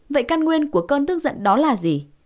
vậy căn nguyên của cơn tức giận đó là gì